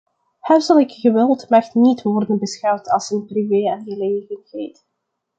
Huiselijk geweld mag niet worden beschouwd als een privéaangelegenheid.